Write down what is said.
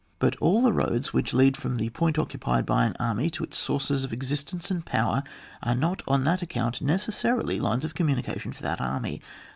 But all the roads which lead frx>m the point occupied by an army to its sources of existence and power, are not on that account necessarily lines of communication for that army.